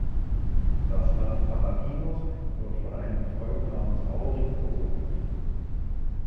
Das Land Palatinus wird von einem Volk namens 'Auric' bewohnt.